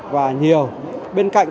và nhiều bên cạnh